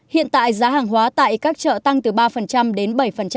hiện tại giá hàng hóa tại các chợ tăng từ ba đến bảy